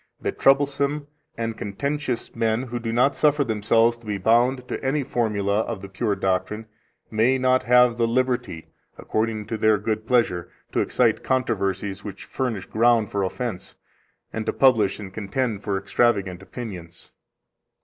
that troublesome and contentious men, who do not suffer themselves to be bound to any formula of the pure doctrine, may not have the liberty, according to their good pleasure, to excite controversies which furnish ground for offense, and to publish and contend for extravagant opinions.